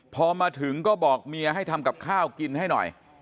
พอมาถึงก็บอกเมียให้ทำกับข้าวกินให้หน่อย